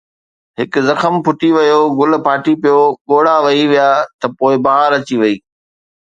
هڪ زخم ڦٽي ويو، گل ڦاٽي پيو، ڳوڙها وهي ويا ته بهار اچي وئي